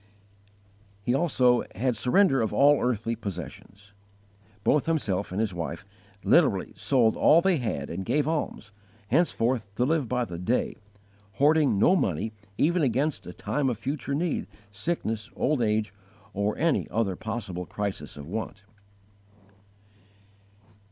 19. His surrender of all earthly possessions. Both himself and his wife literally sold all they had and gave alms, henceforth to live by the day, hoarding no money even against a time of future need, sickness, old age, or any other possible crisis of want.